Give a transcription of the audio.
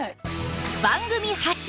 番組初！